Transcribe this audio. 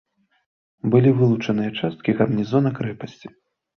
Былі вылучаныя часткі гарнізона крэпасці.